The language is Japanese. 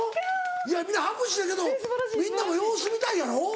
いや皆拍手してるけどみんなも様子見たいやろ？